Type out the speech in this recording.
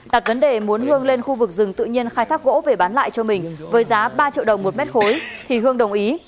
đặt vấn đề muốn hương lên khu vực rừng tự nhiên khai thác gỗ về bán lại cho mình với giá ba triệu đồng một mét khối thì hương đồng ý